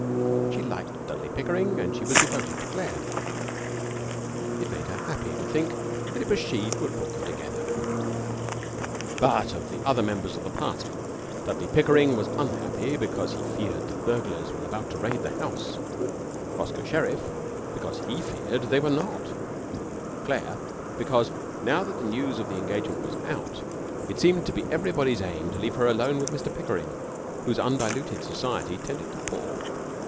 She liked Dudley Pickering and she was devoted to Claire. It made her happy to think that it was she who had brought them together. But of the other members of the party, Dudley Pickering was unhappy because he feared that burglars were about to raid the house; Roscoe Sherriff because he feared they were not; Claire because, now that the news of the engagement was out, it seemed to be everybody's aim to leave her alone with Mr Pickering, whose undiluted society tended to pall.